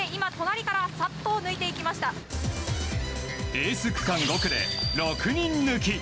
エース区間５区で６人抜き。